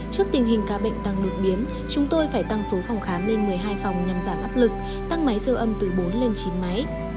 trước tình hình ca bệnh tăng đột biến chúng tôi phải tăng số phòng khám lên một mươi hai phòng nhằm giảm áp lực tăng máy siêu âm từ bốn lên chín máy